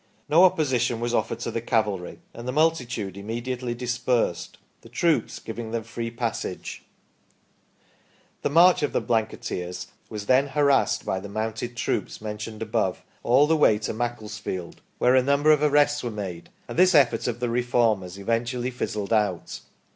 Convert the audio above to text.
No opposition was offered to the cavalry, and the multitude immediately dispersed, the troops giving them free passage. The 12 THE STORY OF PETERLOO march of the Blanketeers was then harassed by the mounted troops mentioned above, all the way to Macclesfield, where a number of arrests were made, and this effort of the Reformers eventually fizzled out.